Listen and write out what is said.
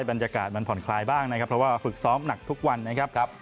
บรรยากาศมันผ่อนคลายบ้างนะครับเพราะว่าฝึกซ้อมหนักทุกวันนะครับ